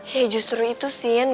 ya justru itu sin